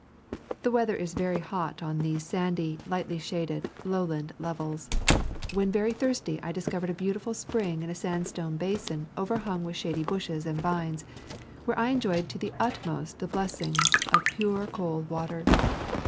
The weather is very hot on these sandy, lightly shaded, lowland levels. When very thirsty I discovered a beautiful spring in a sandstone basin overhung with shady bushes and vines, where I enjoyed to the utmost the blessing of pure cold water.